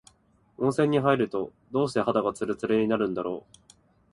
温泉に入ると、どうして肌がつるつるになるんだろう。